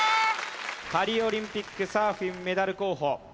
パリオリンピックサーフィンメダル候補